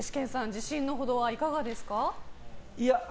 自信のほどはいかがですか？